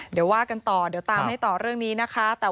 เดี๋ยวว่ากันต่อเดี๋ยวตามให้ต่อเรื่องนี้นะคะ